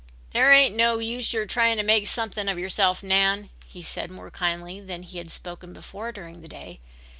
"There ain't no use your trying to make something of yourself, Nan," he said more kindly than he had spoken before during the day.